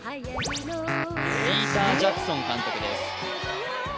ピーター・ジャクソン監督です